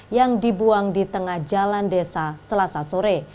yang dibuang di tengah jalan desa selasa sore